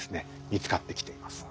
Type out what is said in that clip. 見つかってきています。